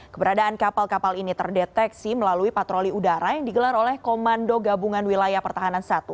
keberadaan kapal kapal ini terdeteksi melalui patroli udara yang digelar oleh komando gabungan wilayah pertahanan i